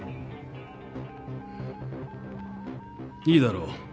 いいだろう。